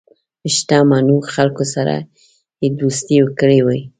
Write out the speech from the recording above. شته منو خلکو سره یې دوستی کړې وي.